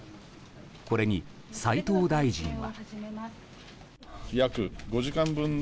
これに齋藤大臣は。